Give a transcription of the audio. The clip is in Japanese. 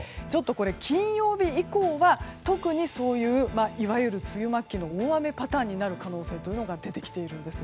金曜日以降は特にそういういわゆる梅雨末期の大雨パターンになる可能性が出てきているんです。